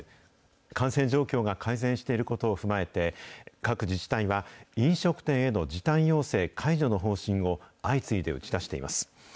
感染状況が改善していることを踏まえて、各自治体は、飲食店への時短要請解除の方針を、相次いで打ち出しています。